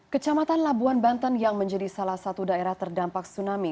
kecamatan labuan banten yang menjadi salah satu daerah terdampak tsunami